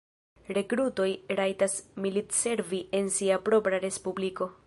Rekrutoj rajtas militservi en sia propra respubliko.